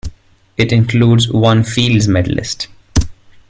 It includes one Fields Medalist.